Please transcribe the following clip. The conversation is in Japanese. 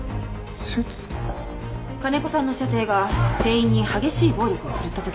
金子さんの舎弟が店員に激しい暴力を振るった時に。